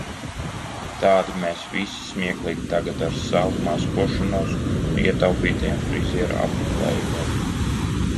Tādi mēs visi smieklīgi tagad ar savu maskošanos un ietaupītajiem frizieru apmeklējumiem.